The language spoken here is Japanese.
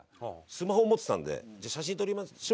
スマホ持ってたので「写真撮りましょうか？」